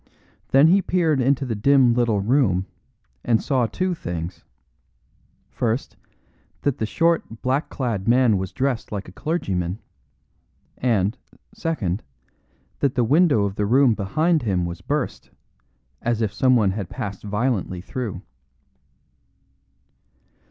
Then he peered into the dim little room and saw two things: first, that the short, black clad man was dressed like a clergyman; and, second, that the window of the room behind him was burst, as if someone had passed violently through.